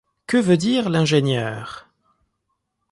Que veut dire l’ingénieur?